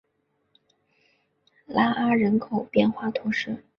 拉阿人口变化图示